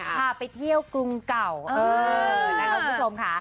พาไปเที่ยวกรุงเก่านะคะคุณผู้ชมค่ะ